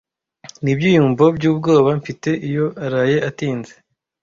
Nibyiyumvo byubwoba mfite iyo araye atinze.